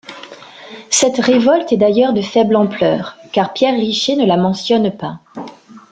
Cette révolte est d'ailleurs de faible ampleur, car Pierre Riché ne la mentionne pas.